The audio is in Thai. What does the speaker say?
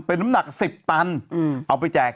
เป็นน้ำหนัก๑๐ตันเอาไปแจก